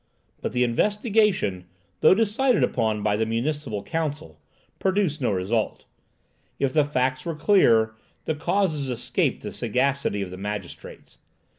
But the investigation, though decided upon by the municipal council, produced no result. If the facts were clear, the causes escaped the sagacity of the magistrates.